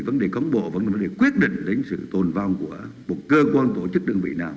vấn đề cán bộ vẫn là vấn đề quyết định đến sự tồn vong của một cơ quan tổ chức đơn vị nào